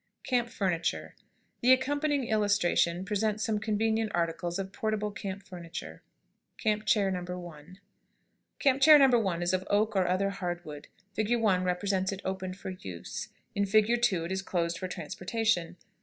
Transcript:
CAMP FURNITURE. The accompanying illustrations present some convenient articles of portable camp furniture. [Illustration: CAMP CHAIR. NO. 1.] CAMP CHAIR NO. 1 is of oak or other hard wood. Fig. 1 represents it opened for use; in Fig. 2 it is closed for transportation.